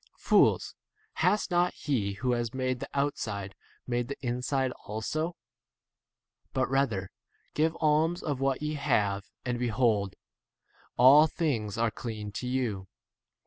Fools, has not he who has made the outside made 41 the inside also ? But rather give alms of what ye have, and behold, 43 all things are clean to you.